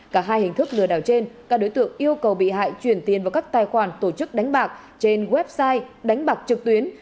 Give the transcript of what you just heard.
cả hai hình thức lừa đảo trên các đối tượng yêu cầu bị hại chuyển tiền vào các tài khoản tổ chức đánh bạc trên website đánh bạc trực tuyến